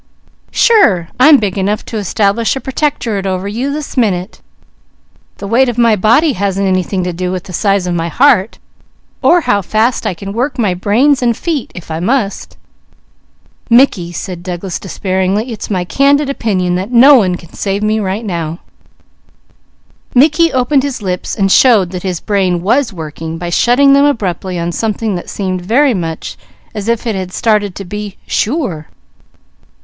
"Sure! I'm big enough to establish a Pertectorate over you, this minute. The weight of my body hasn't anything to do with the size of my heart, or how fast I can work my brains and feet, if I must." "Mickey," said Douglas despairingly, "it's my candid opinion that no one can save me, right now." Mickey opened his lips, and showed that his brain was working by shutting them abruptly on something that seemed very much as if it had started to be: "Sure!"